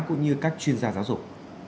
cũng như các chuyên gia giáo dục